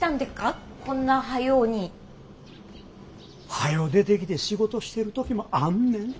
はよ出てきて仕事してる時もあんねん。